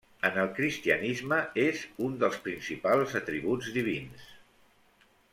En el cristianisme, és un dels principals atributs divins.